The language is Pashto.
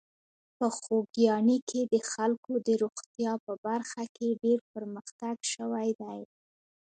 په خوږیاڼي کې د خلکو د روغتیا په برخه کې ډېر پرمختګ شوی دی.